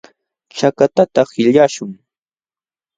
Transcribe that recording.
Chakatata qillqaśhun.